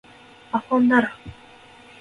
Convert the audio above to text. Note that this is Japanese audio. あほんだら